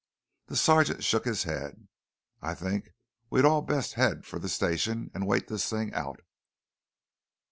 The sergeant shook his head. "I think we'd all best head for the station and wait this thing out."